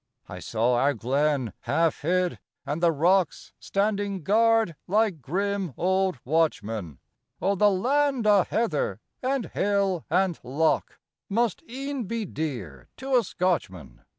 I saw our glen, half hid, and the rocks Standing guard like grim old watchmen. Oh, the land o' heather and hill and loch Must e'en be dear to a Scotchman.